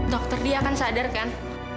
dokter dia akan sadarkan